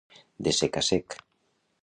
De sec a sec.